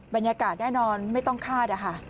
บรรยากาศแน่นอนไม่ต้องคาดนะคะ